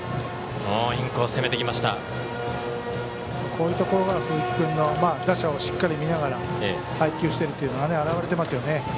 こういうところは鈴木君の打者をしっかり見ながら配球しているというのが表れていますよね。